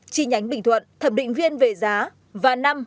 chi nhánh bình thuận thẩm định viên về giá